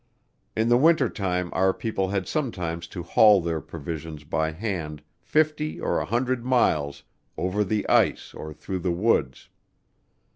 In the winter time our people had sometimes to haul their provisions by hand fifty or a hundred miles over the ice or through the woods.